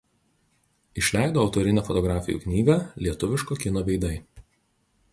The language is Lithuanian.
Išleido autorinę fotografijų knygą „Lietuviško kino veidai“.